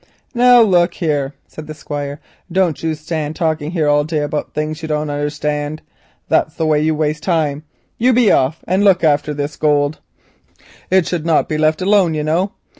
"Now, look here," said the Squire, "don't you stand talking all day about things you don't understand. That's the way you waste time. You be off and look after this gold; it should not be left alone, you know.